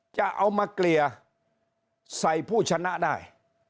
จะเอามาเกลี่ยใส่ผู้ชนะได้